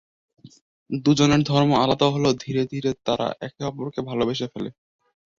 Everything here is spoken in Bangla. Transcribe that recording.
দুজনের ধর্ম আলাদা হলেও ধীরে ধীরে তারা একে অপরকে ভালোবেসে ফেলেন।